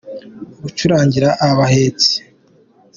Gucurangira abahetsi.